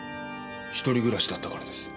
一人暮らしだったからです。